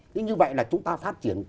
thế như vậy là chúng ta phát triển